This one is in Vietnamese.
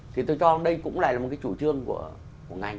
thì tôi cho đây cũng lại là một cái chủ trương của ngành